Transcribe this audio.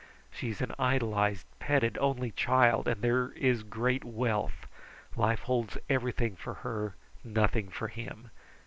She is an idolized, petted only child, and there is great wealth. Life holds everything for her, nothing for him.